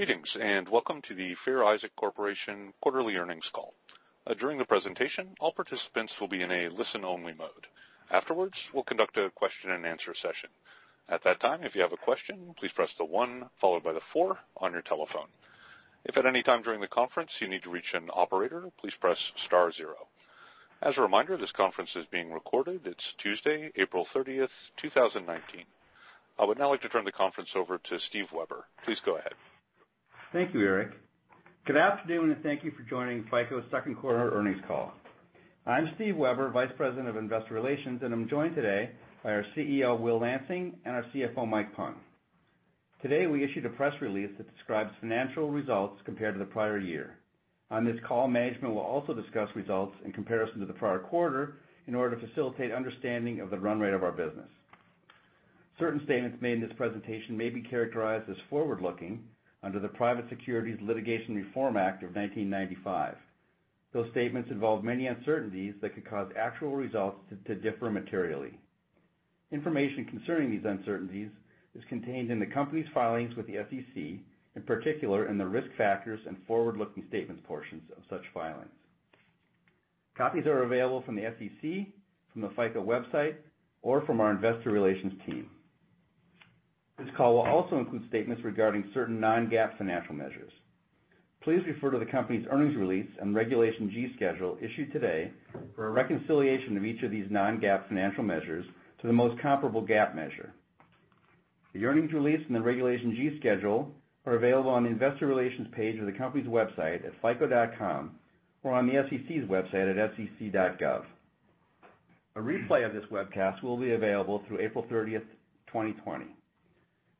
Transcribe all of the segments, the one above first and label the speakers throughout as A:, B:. A: Greetings, and welcome to the Fair Isaac Corporation quarterly earnings call. During the presentation, all participants will be in a listen-only mode. Afterwards, we'll conduct a question and answer session. At that time, if you have a question, please press the one followed by the four on your telephone. If at any time during the conference, you need to reach an operator, please press star zero. As a reminder, this conference is being recorded. It's Tuesday, April 30th, 2019. I would now like to turn the conference over to Steve Weber. Please go ahead.
B: Thank you, Eric. Good afternoon, thank you for joining FICO's second quarter earnings call. I'm Steve Weber, Vice President of Investor Relations, and I'm joined today by our CEO, Will Lansing, and our CFO, Mike Pung. Today, we issued a press release that describes financial results compared to the prior year. On this call, management will also discuss results in comparison to the prior quarter in order to facilitate understanding of the run rate of our business. Certain statements made in this presentation may be characterized as forward-looking under the Private Securities Litigation Reform Act of 1995. Those statements involve many uncertainties that could cause actual results to differ materially. Information concerning these uncertainties is contained in the company's filings with the SEC, in particular in the risk factors and forward-looking statements portions of such filings. Copies are available from the SEC, from the FICO website, or from our investor relations team. This call will also include statements regarding certain non-GAAP financial measures. Please refer to the company's earnings release and Regulation G schedule issued today for a reconciliation of each of these non-GAAP financial measures to the most comparable GAAP measure. The earnings release and the Regulation G schedule are available on the investor relations page of the company's website at fico.com or on the SEC's website at sec.gov. A replay of this webcast will be available through April 30th, 2020.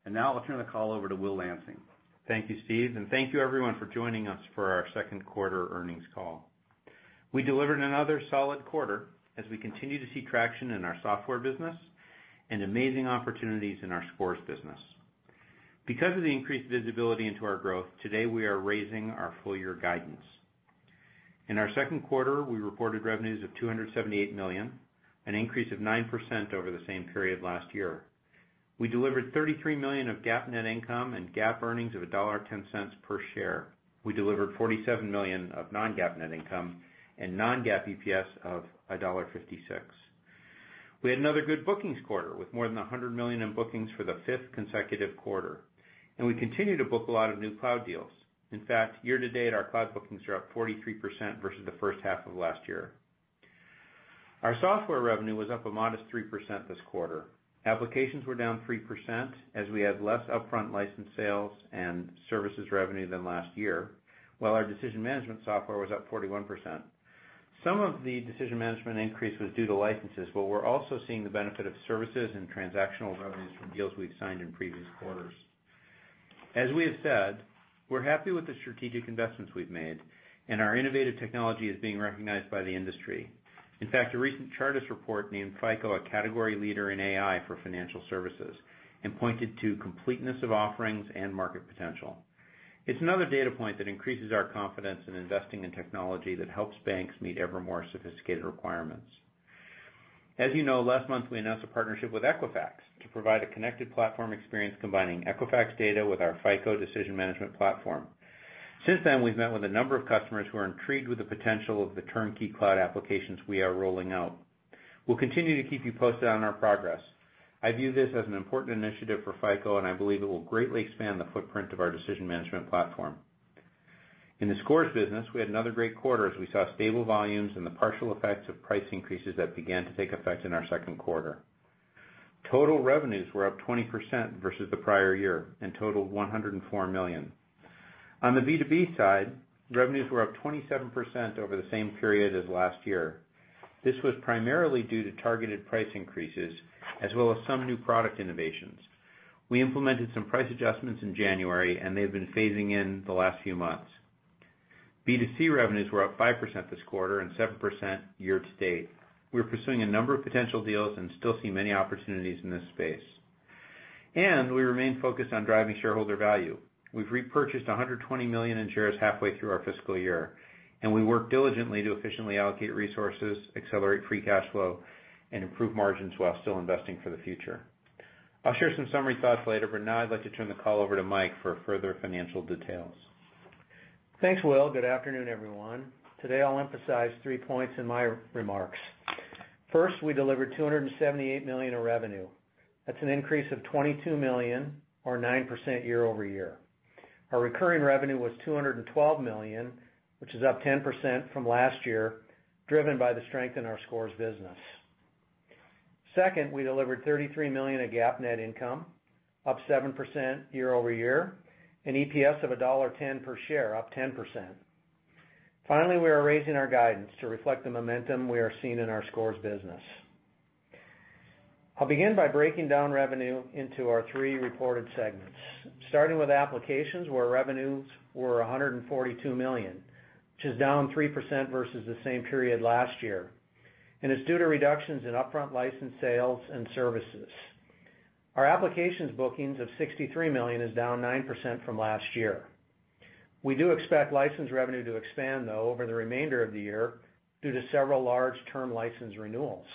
B: Now I'll turn the call over to Will Lansing.
C: Thank you, Steve, thank you everyone for joining us for our second quarter earnings call. We delivered another solid quarter as we continue to see traction in our software business and amazing opportunities in our scores business. Because of the increased visibility into our growth, today we are raising our full-year guidance. In our second quarter, we reported revenues of $278 million, an increase of 9% over the same period last year. We delivered $33 million of GAAP net income and GAAP earnings of $1.10 per share. We delivered $47 million of non-GAAP net income and non-GAAP EPS of $1.56. We had another good bookings quarter, with more than $100 million in bookings for the fifth consecutive quarter, and we continue to book a lot of new cloud deals. In fact, year-to-date, our cloud bookings are up 43% versus the first half of last year. Our software revenue was up a modest 3% this quarter. Applications were down 3%, as we had less upfront license sales and services revenue than last year, while our Decision Management Software was up 41%. Some of the decision management increase was due to licenses, but we're also seeing the benefit of services and transactional revenues from deals we've signed in previous quarters. As we have said, we're happy with the strategic investments we've made, and our innovative technology is being recognized by the industry. In fact, a recent Chartis report named FICO a category leader in AI for financial services and pointed to completeness of offerings and market potential. It's another data point that increases our confidence in investing in technology that helps banks meet ever more sophisticated requirements. As you know, last month we announced a partnership with Equifax to provide a connected platform experience combining Equifax data with our FICO Decision Management Platform. We've met with a number of customers who are intrigued with the potential of the turnkey cloud applications we are rolling out. We'll continue to keep you posted on our progress. I view this as an important initiative for FICO, and I believe it will greatly expand the footprint of our Decision Management Platform. In the scores business, we had another great quarter as we saw stable volumes and the partial effects of price increases that began to take effect in our second quarter. Total revenues were up 20% versus the prior year and totaled $104 million. On the B2B side, revenues were up 27% over the same period as last year. This was primarily due to targeted price increases as well as some new product innovations. We implemented some price adjustments in January, and they've been phasing in the last few months. B2C revenues were up 5% this quarter and 7% year-to-date. We're pursuing a number of potential deals and still see many opportunities in this space. We remain focused on driving shareholder value. We've repurchased $120 million in shares halfway through our fiscal year, and we work diligently to efficiently allocate resources, accelerate free cash flow, and improve margins while still investing for the future. I'll share some summary thoughts later. I'd like to turn the call over to Mike for further financial details.
D: Thanks, Will. Good afternoon, everyone. Today, I'll emphasize three points in my remarks. First, we delivered $278 million in revenue. That's an increase of $22 million or 9% year-over-year. Our recurring revenue was $212 million, which is up 10% from last year, driven by the strength in our scores business. Second, we delivered $33 million of GAAP net income, up 7% year-over-year, and EPS of $1.10 per share, up 10%. Finally, we are raising our guidance to reflect the momentum we are seeing in our scores business. I'll begin by breaking down revenue into our three reported segments, starting with applications where revenues were $142 million, which is down 3% versus the same period last year and is due to reductions in upfront license sales and services. Our applications bookings of $63 million is down 9% from last year.
B: We do expect license revenue to expand though over the remainder of the year due to several large term license renewals.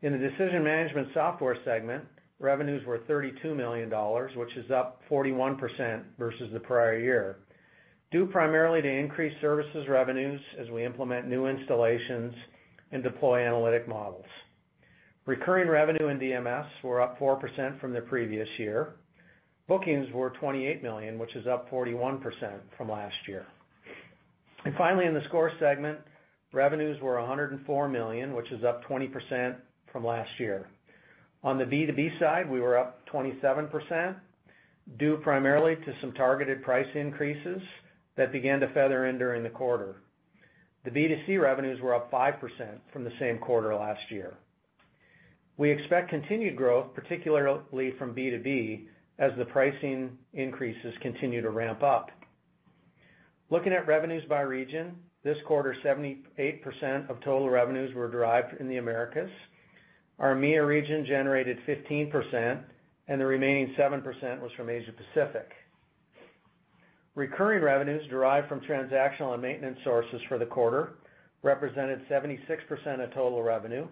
D: In the Decision Management Software Segment, revenues were $32 million, which is up 41% versus the prior year, due primarily to increased services revenues as we implement new installations and deploy analytic models. Recurring revenue in DMS were up 4% from the previous year. Bookings were $28 million, which is up 41% from last year. Finally, in the Score Segment, revenues were $104 million, which is up 20% from last year. On the B2B side, we were up 27%, due primarily to some targeted price increases that began to feather in during the quarter. The B2C revenues were up 5% from the same quarter last year. We expect continued growth, particularly from B2B, as the pricing increases continue to ramp up. Looking at revenues by region this quarter, 78% of total revenues were derived in the Americas. Our EMEA region generated 15%, and the remaining 7% was from Asia Pacific. Recurring revenues derived from transactional and maintenance sources for the quarter represented 76% of total revenue.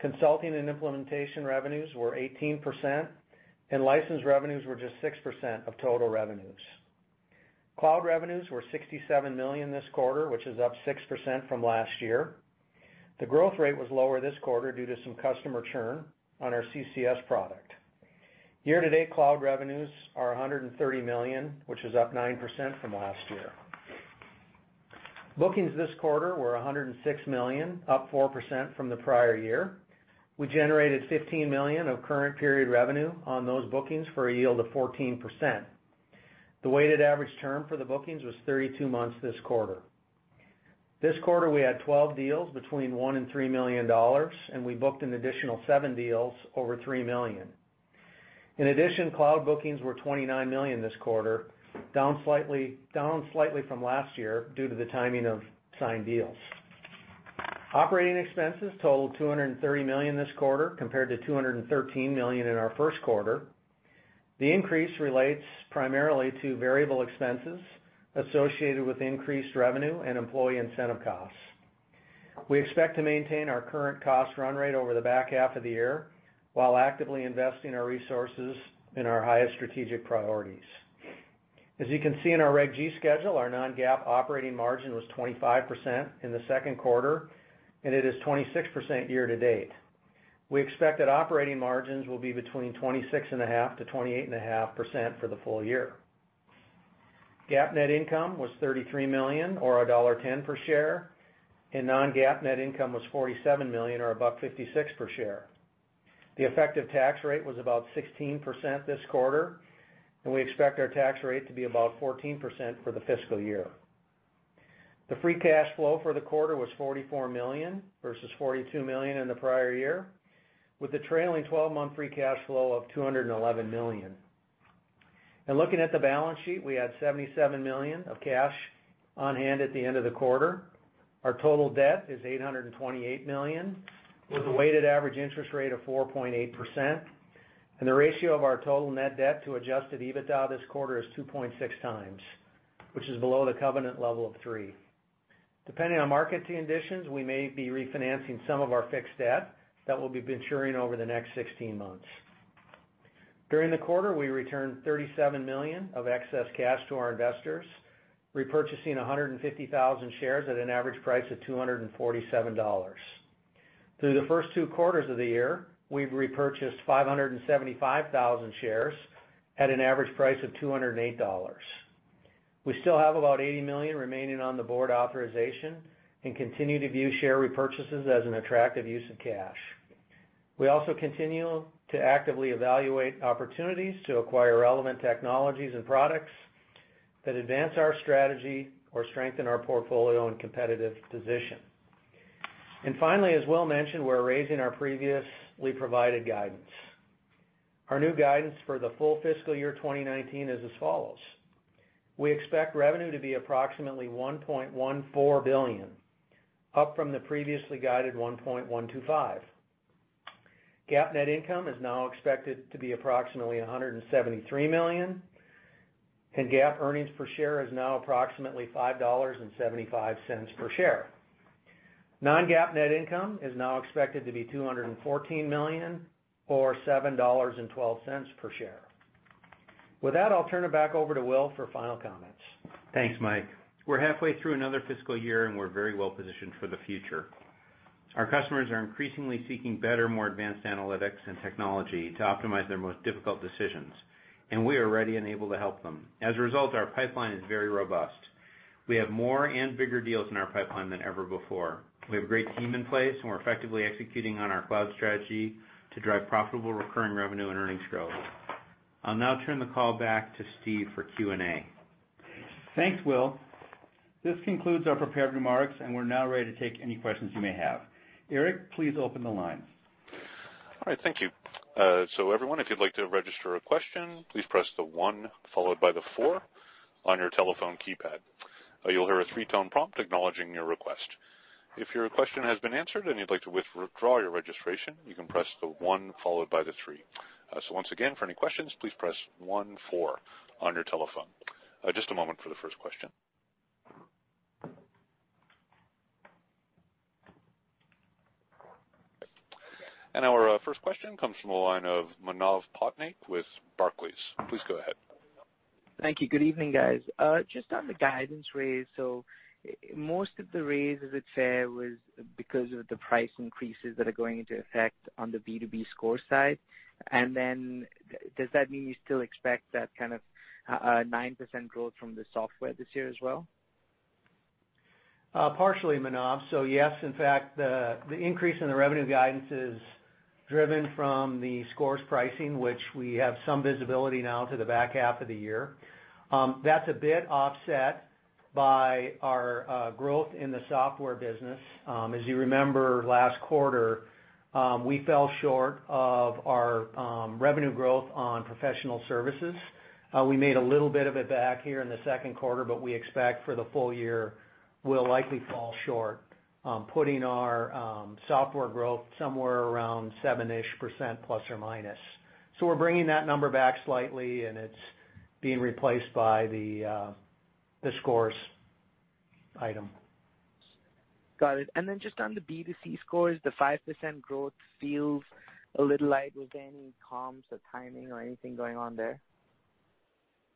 D: Consulting and implementation revenues were 18%, and license revenues were just 6% of total revenues. Cloud revenues were $67 million this quarter, which is up 6% from last year. The growth rate was lower this quarter due to some customer churn on our CCS product. Year-to-date cloud revenues are $130 million, which is up 9% from last year. Bookings this quarter were $106 million, up 4% from the prior year. We generated $15 million of current period revenue on those bookings, for a yield of 14%. The weighted average term for the bookings was 32 months this quarter. This quarter, we had 12 deals between $1 million and $3 million, and we booked an additional seven deals over $3 million. In addition, cloud bookings were $29 million this quarter, down slightly from last year due to the timing of signed deals. Operating expenses totaled $230 million this quarter, compared to $213 million in our first quarter. The increase relates primarily to variable expenses associated with increased revenue and employee incentive costs. We expect to maintain our current cost run rate over the back half of the year, while actively investing our resources in our highest strategic priorities. As you can see in our Reg G schedule, our non-GAAP operating margin was 25% in the second quarter, and it is 26% year-to-date. We expect that operating margins will be between 26.5%-28.5% for the full year. GAAP net income was $33 million, or $1.10 per share, and non-GAAP net income was $47 million, or $1.56 per share. The effective tax rate was about 16% this quarter, and we expect our tax rate to be about 14% for the fiscal year. The free cash flow for the quarter was $44 million versus $42 million in the prior year, with a trailing 12-month free cash flow of $211 million. Looking at the balance sheet, we had $77 million of cash on hand at the end of the quarter. Our total debt is $828 million, with a weighted average interest rate of 4.8%, and the ratio of our total net debt to adjusted EBITDA this quarter is 2.6x, which is below the covenant level of three. Depending on market conditions, we may be refinancing some of our fixed debt that will be maturing over the next 16 months. During the quarter, we returned $37 million of excess cash to our investors, repurchasing 150,000 shares at an average price of $247. Through the first two quarters of the year, we've repurchased 575,000 shares at an average price of $208. We still have about $80 million remaining on the board authorization and continue to view share repurchases as an attractive use of cash. We also continue to actively evaluate opportunities to acquire relevant technologies and products that advance our strategy or strengthen our portfolio and competitive position. Finally, as Will mentioned, we're raising our previously provided guidance. Our new guidance for the full fiscal year 2019 is as follows. We expect revenue to be approximately $1.14 billion, up from the previously guided $1.125 billion. GAAP net income is now expected to be approximately $173 million, and GAAP earnings per share is now approximately $5.75 per share. Non-GAAP net income is now expected to be $214 million or $7.12 per share. With that, I'll turn it back over to Will for final comments.
C: Thanks, Mike. We're halfway through another fiscal year, and we're very well-positioned for the future. Our customers are increasingly seeking better, more advanced analytics and technology to optimize their most difficult decisions, and we are ready and able to help them. As a result, our pipeline is very robust. We have more and bigger deals in our pipeline than ever before. We have a great team in place, and we're effectively executing on our cloud strategy to drive profitable recurring revenue and earnings growth. I'll now turn the call back to Steve for Q&A.
B: Thanks, Will. This concludes our prepared remarks, and we're now ready to take any questions you may have. Eric, please open the line.
A: All right. Thank you. Everyone, if you'd like to register a question, please press the one followed by the four on your telephone keypad. You'll hear a 3-tone prompt acknowledging your request. If your question has been answered and you'd like to withdraw your registration, you can press the one followed by the three. Once again, for any questions, please press 1-4 on your telephone. Just a moment for the first question. Our first question comes from the line of Manav Patnaik with Barclays. Please go ahead.
E: Thank you. Good evening, guys. Just on the guidance raise. Most of the raise, is it fair, was because of the price increases that are going into effect on the B2B score side? Does that mean you still expect that kind of a 9% growth from the software this year as well?
D: Partially, Manav. Yes, in fact, the increase in the revenue guidance is driven from the scores pricing, which we have some visibility now to the back half of the year. That's a bit offset by our growth in the software business. As you remember, last quarter, we fell short of our revenue growth on professional services. We made a little bit of it back here in the second quarter, but we expect for the full year, we'll likely fall short, putting our software growth somewhere around seven-ish %. We're bringing that number back slightly, and it's being replaced by the scores item.
E: Got it. Just on the B2C scores, the 5% growth feels a little light. Was there any comps or timing or anything going on there?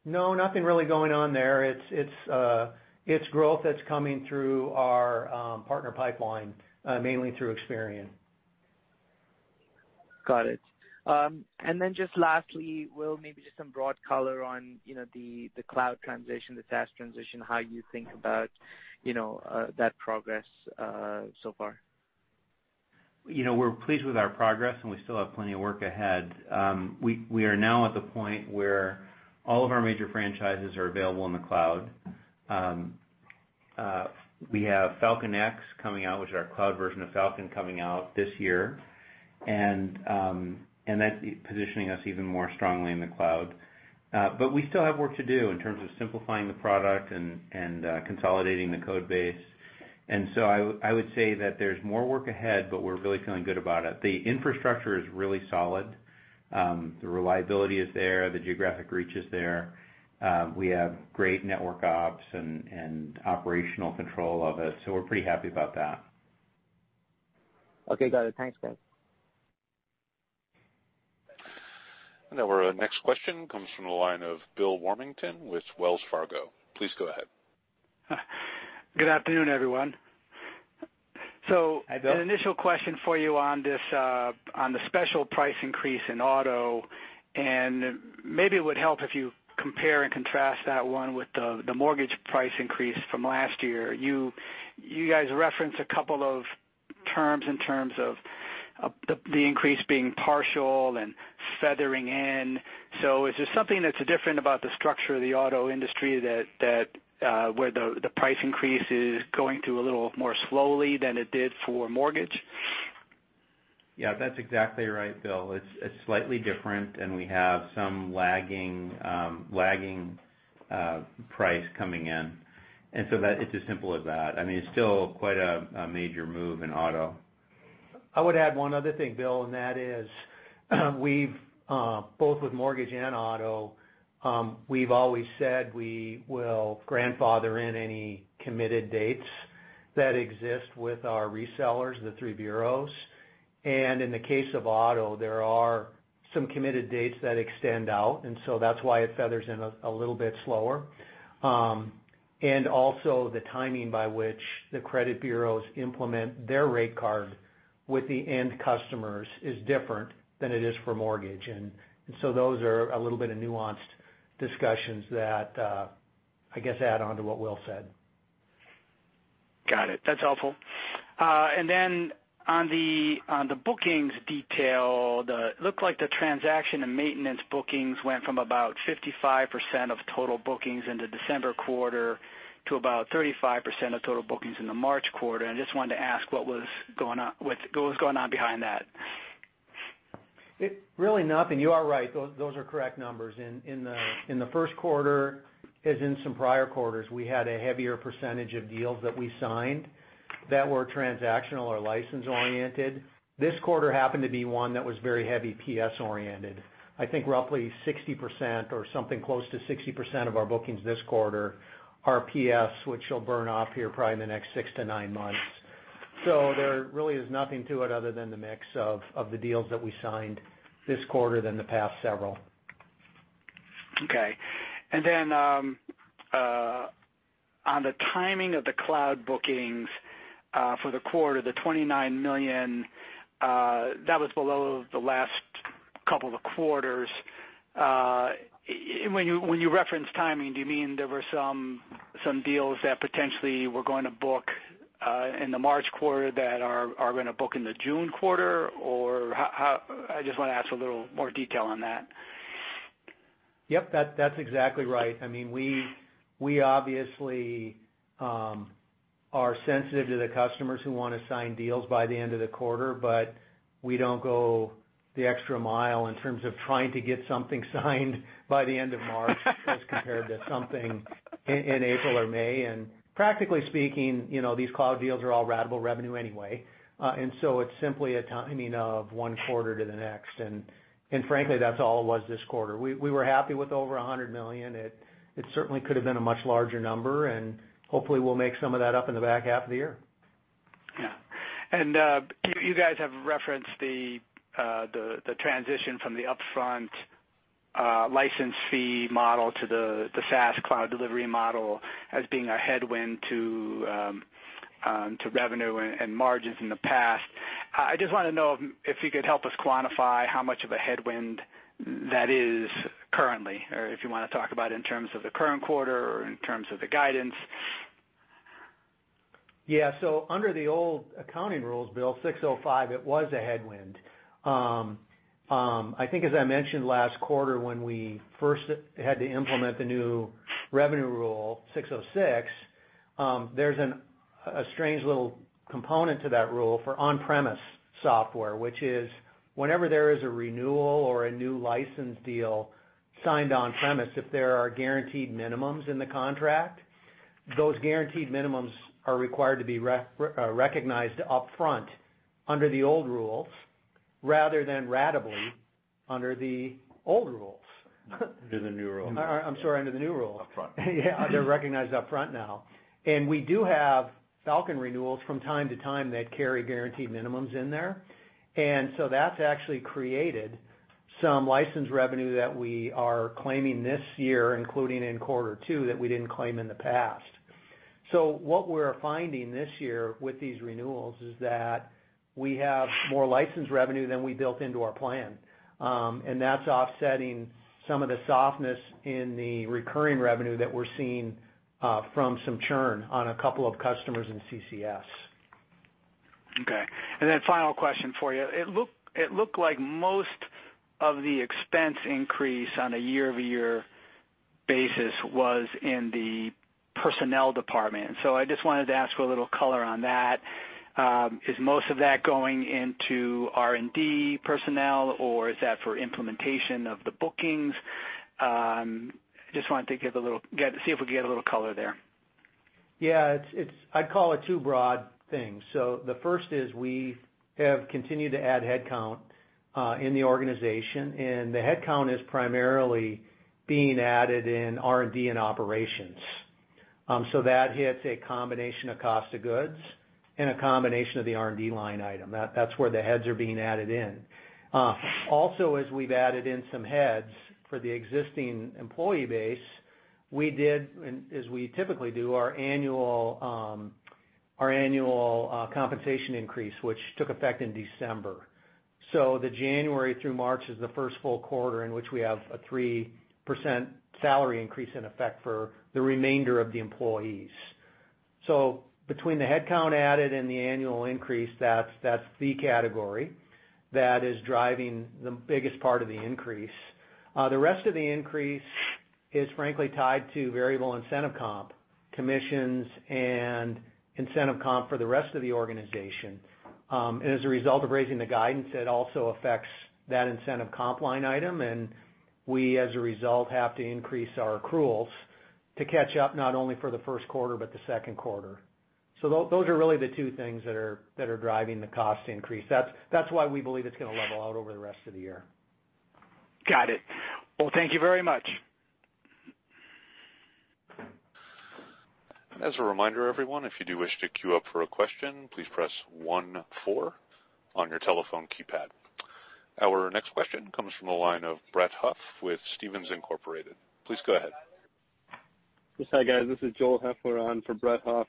D: No, nothing really going on there. It's growth that's coming through our partner pipeline, mainly through Experian.
E: Got it. Just lastly, Will, maybe just some broad color on the cloud transition, the SaaS transition, how you think about that progress so far.
C: We're pleased with our progress, and we still have plenty of work ahead. We are now at the point where all of our major franchises are available in the cloud. We have Falcon X coming out, which is our cloud version of Falcon coming out this year, and that's positioning us even more strongly in the cloud. We still have work to do in terms of simplifying the product and consolidating the code base. I would say that there's more work ahead, but we're really feeling good about it. The infrastructure is really solid. The reliability is there, the geographic reach is there. We have great network ops and operational control of it, so we're pretty happy about that.
E: Okay, got it. Thanks, guys.
A: Our next question comes from the line of Bill Warmington with Wells Fargo. Please go ahead.
F: Good afternoon, everyone.
D: Hi, Bill.
F: The initial question for you on the special price increase in auto, and maybe it would help if you compare and contrast that one with the mortgage price increase from last year. You guys referenced a couple of terms in terms of the increase being partial and feathering in. Is there something that's different about the structure of the auto industry where the price increase is going through a little more slowly than it did for mortgage?
C: Yeah, that's exactly right, Bill. It's slightly different, and we have some lagging price coming in. It's as simple as that. It's still quite a major move in auto.
D: I would add one other thing, Bill, and that is, both with mortgage and auto, we've always said we will grandfather in any committed dates that exist with our resellers, the 3 bureaus. In the case of auto, there are some committed dates that extend out, so that's why it feathers in a little bit slower. Also the timing by which the credit bureaus implement their rate card with the end customers is different than it is for mortgage. Those are a little bit of nuanced discussions that, I guess, add on to what Will said.
F: Got it. That's helpful. On the bookings detail, it looked like the transaction and maintenance bookings went from about 55% of total bookings in the December quarter to about 35% of total bookings in the March quarter, and I just wanted to ask what was going on behind that.
D: Really nothing. You are right. Those are correct numbers. In the first quarter, as in some prior quarters, we had a heavier percentage of deals that we signed that were transactional or license-oriented. This quarter happened to be one that was very heavy PS-oriented. I think roughly 60% or something close to 60% of our bookings this quarter are PS, which will burn off here probably in the next six to nine months. There really is nothing to it other than the mix of the deals that we signed this quarter than the past several.
F: Okay. On the timing of the cloud bookings for the quarter, the $29 million, that was below the last couple of quarters. When you reference timing, do you mean there were some deals that potentially were going to book in the March quarter that are going to book in the June quarter? I just want to ask a little more detail on that.
D: Yep, that's exactly right. We obviously are sensitive to the customers who want to sign deals by the end of the quarter, but we don't go the extra mile in terms of trying to get something signed by the end of March as compared to something in April or May, practically speaking, these cloud deals are all ratable revenue anyway. It's simply a timing of one quarter to the next. Frankly, that's all it was this quarter. We were happy with over $100 million. It certainly could have been a much larger number, and hopefully we'll make some of that up in the back half of the year.
F: Yeah. You guys have referenced the transition from the upfront license fee model to the SaaS cloud delivery model as being a headwind to revenue and margins in the past. I just want to know if you could help us quantify how much of a headwind that is currently, or if you want to talk about it in terms of the current quarter or in terms of the guidance.
D: Yeah. Under the old accounting rules, Bill, 605, it was a headwind. I think as I mentioned last quarter when we first had to implement the new revenue rule, 606, there's a strange little component to that rule for on-premise software, which is whenever there is a renewal or a new license deal signed on-premise, if there are guaranteed minimums in the contract, those guaranteed minimums are required to be recognized upfront under the old rules rather than ratably under the old rules.
C: Under the new rule.
D: I'm sorry, under the new rule.
C: Upfront.
D: Yeah. They're recognized upfront now. We do have Falcon renewals from time to time that carry guaranteed minimums in there. That's actually created some license revenue that we are claiming this year, including in quarter two, that we didn't claim in the past. What we're finding this year with these renewals is that we have more license revenue than we built into our plan. That's offsetting some of the softness in the recurring revenue that we're seeing from some churn on a couple of customers in CCS.
F: Okay. Final question for you. It looked like most of the expense increase on a year-over-year basis was in the personnel department. I just wanted to ask for a little color on that. Is most of that going into R&D personnel, or is that for implementation of the bookings? Just wanted to see if we could get a little color there.
D: Yeah. I'd call it two broad things. The first is we have continued to add headcount in the organization, and the headcount is primarily being added in R&D and operations. That hits a combination of cost of goods and a combination of the R&D line item. That's where the heads are being added in. Also, as we've added in some heads for the existing employee base, we did, as we typically do, our annual compensation increase, which took effect in December. The January through March is the first full quarter in which we have a 3% salary increase in effect for the remainder of the employees. Between the headcount added and the annual increase, that's the category that is driving the biggest part of the increase. The rest of the increase is frankly tied to variable incentive comp, commissions, and incentive comp for the rest of the organization. As a result of raising the guidance, it also affects that incentive comp line item, and we, as a result, have to increase our accruals to catch up not only for the first quarter, but the second quarter. Those are really the two things that are driving the cost increase. That's why we believe it's going to level out over the rest of the year.
F: Got it. Thank you very much.
A: As a reminder, everyone, if you do wish to queue up for a question, please press one, four on your telephone keypad. Our next question comes from the line of Brett Huff with Stephens Inc.. Please go ahead.
G: Yes. Hi, guys. This is Joel Huenefeld on for Brett Huff.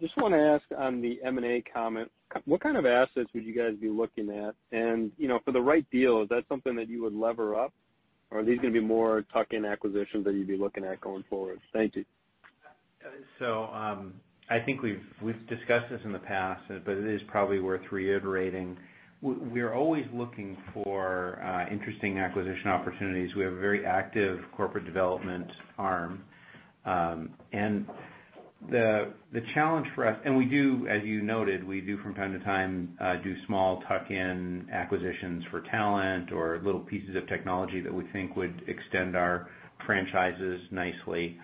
G: Just want to ask on the M&A comment, what kind of assets would you guys be looking at? For the right deal, is that something that you would lever up, or are these going to be more tuck-in acquisitions that you'd be looking at going forward? Thank you.
C: I think we've discussed this in the past, but it is probably worth reiterating. We're always looking for interesting acquisition opportunities. We have a very active corporate development arm. The challenge for us, and we do, as you noted, we do from time to time do small tuck-in acquisitions for talent or little pieces of technology that we think would extend our franchises nicely.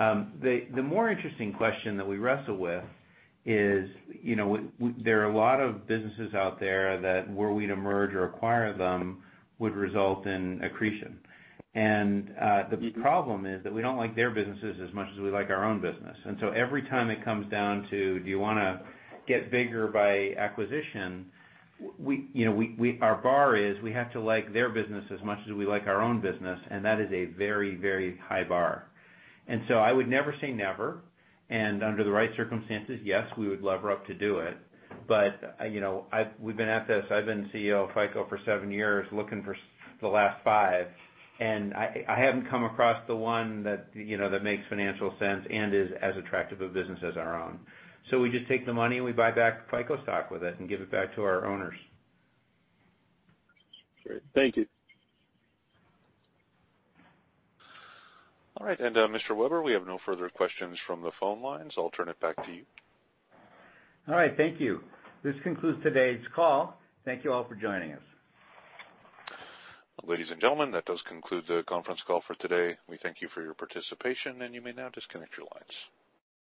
C: The more interesting question that we wrestle with is there are a lot of businesses out there that where we'd emerge or acquire them would result in accretion. The problem is that we don't like their businesses as much as we like our own business. Every time it comes down to do you want to get bigger by acquisition, our bar is we have to like their business as much as we like our own business, and that is a very high bar. I would never say never, and under the right circumstances, yes, we would lever up to do it. We've been at this, I've been CEO of FICO for seven years, looking for the last five, and I haven't come across the one that makes financial sense and is as attractive a business as our own. We just take the money and we buy back FICO stock with it and give it back to our owners.
G: Great. Thank you.
A: All right. Mr. Weber, we have no further questions from the phone lines. I'll turn it back to you.
B: All right. Thank you. This concludes today's call. Thank you all for joining us.
A: Ladies and gentlemen, that does conclude the conference call for today. We thank you for your participation, and you may now disconnect your lines.